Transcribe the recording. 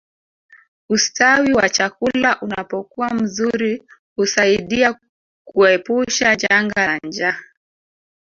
Ustawi wa chakula unapokuwa mzuri huasaidia kuepusha janga la njaa